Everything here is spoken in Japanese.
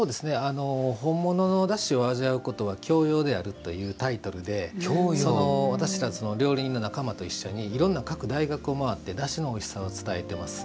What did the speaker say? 本物のだしを味わうことは教養であるというタイトルで私ら料理人の仲間と一緒にいろんな各大学を回ってだしのおいしさを伝えています。